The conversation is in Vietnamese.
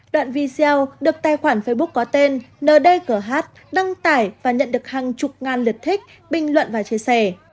đoạn video được tài khoản facebook có tên ndgh đăng tải và nhận được hàng chục ngàn lượt thích bình luận và chia sẻ